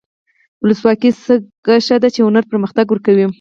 ولسواکي ځکه ښه ده چې هنر پرمختګ ورکوي.